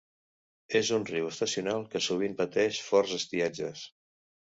És un riu estacional que sovint pateix forts estiatges.